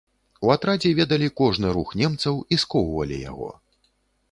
У атрадзе ведалі кожны рух немцаў і скоўвалі яго.